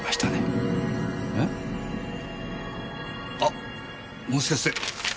あもしかして！？